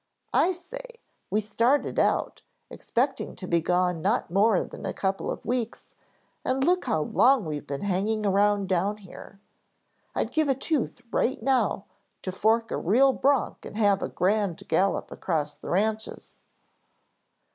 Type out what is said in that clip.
I say, we started out, expecting to be gone not more than a couple of weeks and look how long we've been hanging around down here. I'd give a tooth right now to fork a real bronc and have a grand gallop across the ranches."